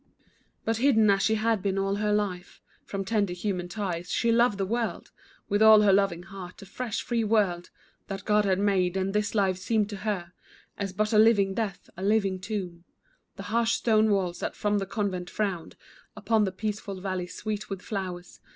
But hidden as she had been all her life From tender human ties, she loved the world With all her loving heart, the fresh, free world That God had made, and this life seemed to her As but a living death. A living tomb The harsh stone walls that from the convent frowned Upon the peaceful valley sweet with flowers.